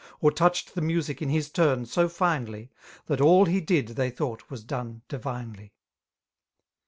Or touched the music in his turn so finely. That all he did, ihey thought, was done divinely.